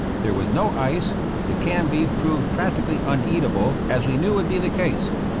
There was no ice. The canned beef proved practically uneatable, as we knew would be the case.